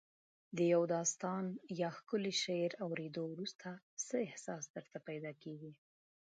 د یو داستان یا ښکلي شعر اوریدو وروسته څه احساس درته پیدا کیږي؟